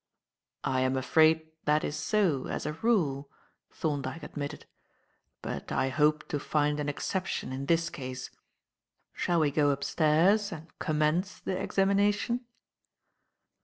"I am afraid that is so, as a rule," Thorndyke admitted. "But I hope to find an exception in this case. Shall we go upstairs and commence the examination?"